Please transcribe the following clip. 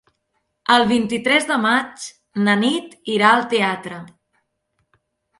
El vint-i-tres de maig na Nit irà al teatre.